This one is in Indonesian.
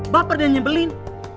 baper dan nyebelin